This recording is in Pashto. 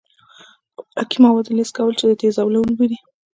د خوراکي موادو لست کول چې د تیزابونو لرونکي دي.